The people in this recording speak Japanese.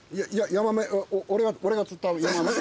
ヤマメ俺が釣ったヤマメ？